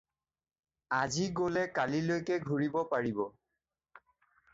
আজি গ'লে কালিলৈকে ঘুৰিব পাৰিব।